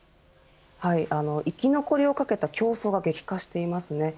生き残りをかけた競争が激化していますね。